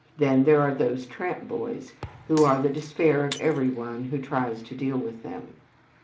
Then there are those tramp boys who are the despair of every one who tries to deal with them.